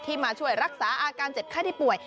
มาช่วยรักษาอาการเจ็บไข้ได้ป่วย